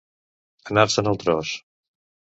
Anar-se'n al tros.